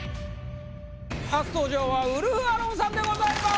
初登場はウルフアロンさんでございます。